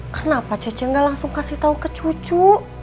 kenapa cece nggak langsung kasih tahu ke cucu